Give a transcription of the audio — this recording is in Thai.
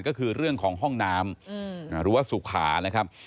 ก็คือเรื่องของห้องน้ำหรือว่าสุขานะครับ